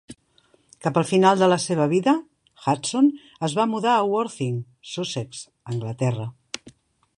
Cap al final de la seva vida, Hudson es va mudar a Worthing, Sussex (Anglaterra).